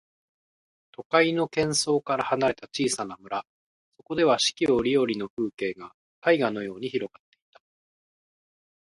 都会の喧騒から離れた小さな村、そこでは四季折々の風景が絵画のように広がっていた。